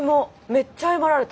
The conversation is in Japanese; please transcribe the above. めっちゃ謝られた。